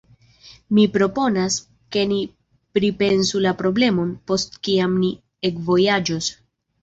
Mi proponas, ke ni pripensu la problemon, post kiam ni ekvojaĝos.